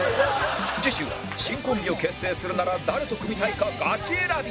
次週は新コンビを結成するなら誰と組みたいかガチ選び！